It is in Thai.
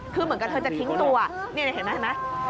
คือเหมือนกับเธอจะทิ้งตัวนี่เห็นไหมเห็นไหม